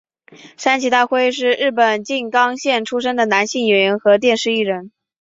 山崎大辉是日本静冈县出生的男性演员和电视艺人。